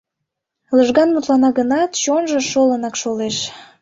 Лыжган мутлана гынат, чонжо шолынак шолеш.